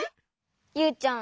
ユウちゃん